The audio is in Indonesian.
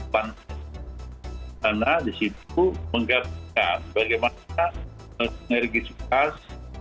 pandangan tanah di situ menggabungkan bagaimana energi sukast